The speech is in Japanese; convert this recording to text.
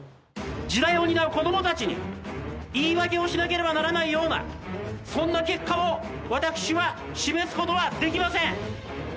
次代を担う子供たちに、言い訳をしなければならないような、そんな結果を私は示すことはできません。